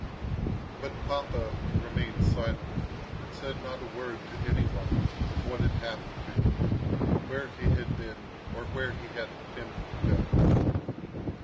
But papa remained silent, and said not a word to any one of what had happened to him, where he had been, or where he had intended to go.